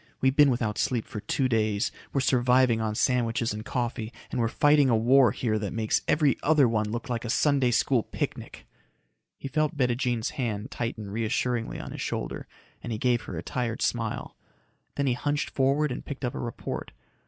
We've been without sleep for two days, we're surviving on sandwiches and coffee, and we're fighting a war here that makes every other one look like a Sunday School picnic." He felt Bettijean's hand tighten reassuringly on his shoulder and he gave her a tired smile. Then he hunched forward and picked up a report.